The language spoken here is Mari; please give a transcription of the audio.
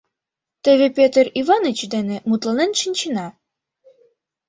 Теве Пӧтыр Иваныч дене мутланен шинчена.